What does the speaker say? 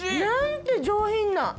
何て上品な。